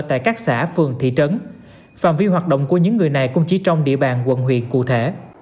tại các xã phường thị trấn phạm vi hoạt động của những người này cũng chỉ trong địa bàn quận huyện cụ thể